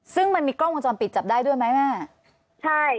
ซึ่งมันมีกล้องวงจรปิดจับได้ด้วยไหมแม่ใช่